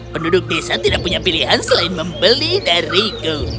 penduduk desa tidak punya pilihan selain membeli dariku